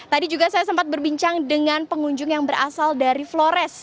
tadi juga saya sempat berbincang dengan pengunjung yang berasal dari flores